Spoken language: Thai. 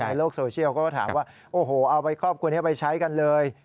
ในโลกโซเชียลก็ถามว่าโอ้โหเอาไปครอบครัวนี้ไปใช้กันเลย